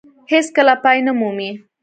هېڅ کله پای نه مومي.